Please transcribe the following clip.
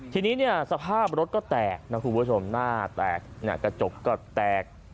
ทีนี้สภาพรถก็แตกหน้าแตกกระจกก็แตก